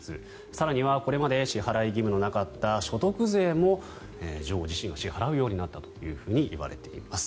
更にはこれまで支払い義務のなかった所得税も女王自身が支払うようになったといわれています。